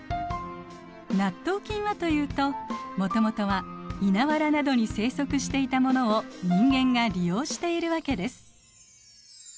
納豆菌はというともともとは稲わらなどに生息していたものを人間が利用しているわけです。